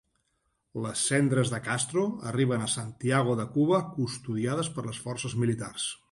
Les cendres de Castro arriben a Santiago de Cuba custodiades per les forces militars